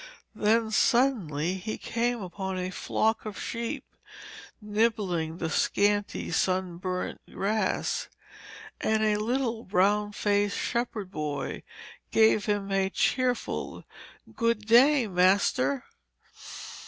Then suddenly he came upon a flock of sheep nibbling the scanty sunburnt grass, and a little brown faced shepherd boy gave him a cheerful 'Good day, master.'